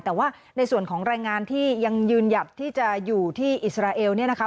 แต่ว่าในส่วนของแรงงานที่ยังยืนหยัดที่จะอยู่ที่อิสราเอลเนี่ยนะคะ